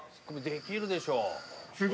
できるでしょう。